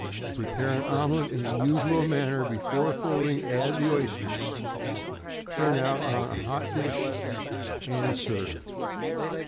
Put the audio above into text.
Prepare an omelet in the usual manner; before folding, add the oysters; turn out on a hot dish, and serve.